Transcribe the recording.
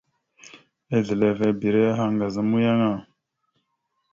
Ezlilivibire aha ŋgaz a muyaŋ a.